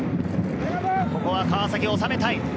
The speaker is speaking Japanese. ここは川崎収めたい。